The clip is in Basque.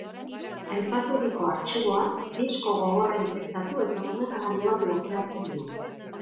Aipaturiko artxiboak disko gogorra infektatu eta ordenagailua blokeatzen du.